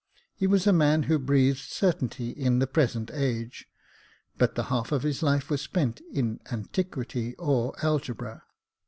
He was a man who breathed certainly in the present age, but the half of his life was spent in antiquity or algebra.